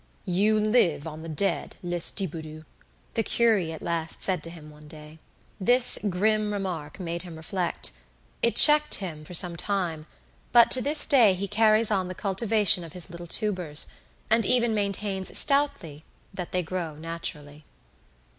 "You live on the dead, Lestiboudois!" the curé at last said to him one day. This grim remark made him reflect; it checked him for some time; but to this day he carries on the cultivation of his little tubers, and even maintains stoutly that they grow naturally.